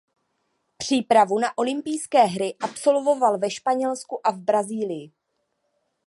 Přípravu na olympijské hry absolvoval ve Španělsku a v Brazílii.